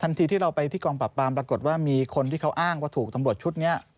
ทีที่เราไปที่กองปรับปรามปรากฏว่ามีคนที่เขาอ้างว่าถูกตำรวจชุดนี้